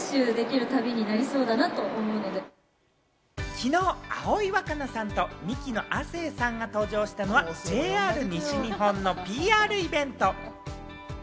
きのう、葵わかなさんとミキの亜生さんが登場したのはＪＲ西日本のＰＲイベント。